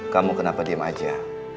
kamu kenapa diem aja